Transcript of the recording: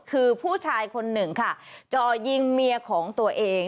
คือผู้ชายคนหนึ่งค่ะจ่อยิงเมียของตัวเอง